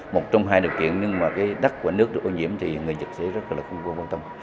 một trong hai điều kiện đất và nước được ô nhiễm thì người nhật sẽ rất quan tâm